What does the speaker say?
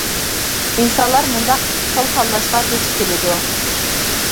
ئىنسانلار مۇنداق ئىككى خىل تاللاشقا دۇچ كېلىدۇ.